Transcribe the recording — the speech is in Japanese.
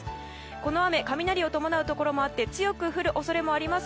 この雨、雷を伴うところもあって強く降る恐れもあります。